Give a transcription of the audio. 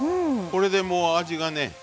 これでもう味がね